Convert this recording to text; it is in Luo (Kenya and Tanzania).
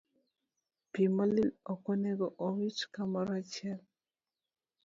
Pi molil ok onego owit kamoro achiel.